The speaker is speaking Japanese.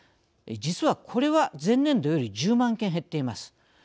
実は、これは前年度より１０万件減っています。